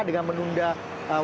dengan menunda kembali